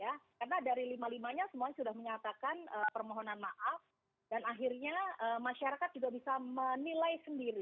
karena dari lima lima nya semuanya sudah menyatakan permohonan maaf dan akhirnya masyarakat juga bisa menilai sendiri